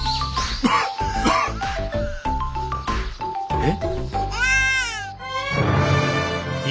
えっ？